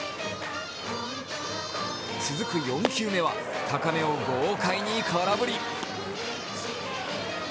続く４球目は高めを豪快に空振り。